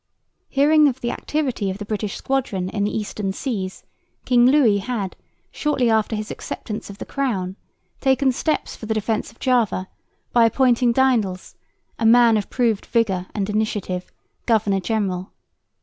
Hearing of the activity of the British squadron in the Eastern seas, King Louis had, shortly after his acceptance of the crown, taken steps for the defence of Java by appointing Daendels, a man of proved vigour and initiative, governor general.